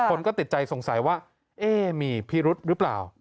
คนก็ติดใจสงสัยว่าเอ๊ะมีพิรุษหรือเปล่า